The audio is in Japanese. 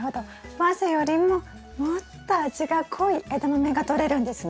早生よりももっと味が濃いエダマメがとれるんですね。